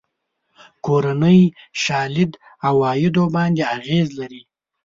کورنۍ شالید عوایدو باندې اغېز لري.